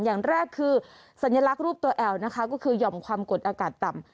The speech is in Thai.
อย่างแรกคือสัญลักษณ์รูปตัวแอลนะคะก็คือหย่อมความกดอากาศต่ำ